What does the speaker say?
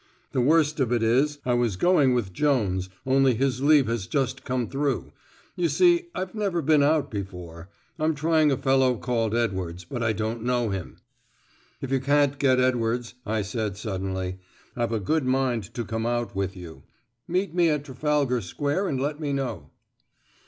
The worst of it is I was going with 52 Jones; only his leave has just come through. You see, I've never been out before. I'm trying a fellow called Edwards, but I don't know him." "If you can't get Edwards," I said suddenly, "I've a good mind to come out with you. Meet me at Trafalgar Square, and let me know."